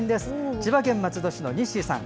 千葉県松戸市のニッシーさん。